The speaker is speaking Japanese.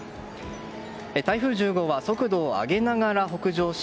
台風１０号は速度を上げながら北上し